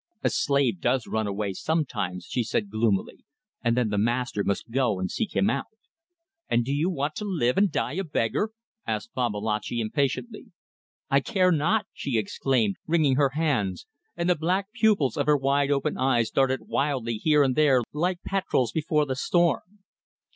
"A slave does run away sometimes," she said, gloomily, "and then the master must go and seek him out." "And do you want to live and die a beggar?" asked Babalatchi, impatiently. "I care not," she exclaimed, wringing her hands; and the black pupils of her wide open eyes darted wildly here and there like petrels before the storm.